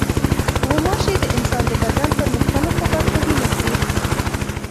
غوماشې د انسان د بدن پر مختلفو برخو وینه خوري.